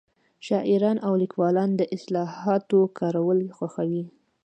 شاعران او لیکوالان د اصطلاحاتو کارول خوښوي